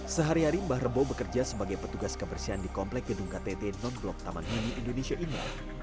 sehari hari mbah rebo bekerja sebagai petugas kebersihan di komplek gedung ktt non blok taman mini indonesia ini